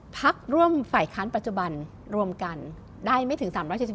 พักร่วมฝ่ายค้านปัจจุบันรวมกันได้ไม่ถึง๓๗๔